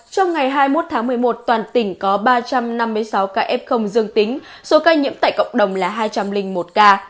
trong ngày hai mươi một tháng một mươi một toàn tỉnh có ba trăm năm mươi sáu ca f dương tính số ca nhiễm tại cộng đồng là hai trăm linh một ca